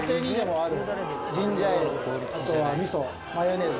あとは味噌マヨネーズ